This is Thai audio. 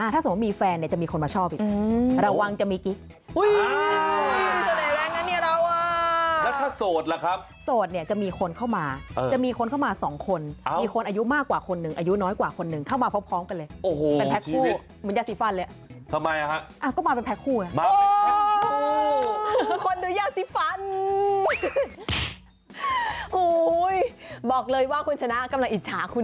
ถ้าสมมุติมีแฟนเนี่ยจะมีคนมาชอบอีกระวังจะมีกิ๊ก